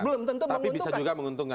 belum tentu menguntungkan